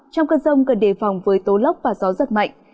trong cơn rông cần đề phòng với tố lốc và gió giật mạnh